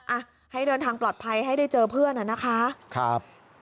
อ่ะให้เดินทางปลอดภัยให้ได้เจอเพื่อนอ่ะนะคะครับ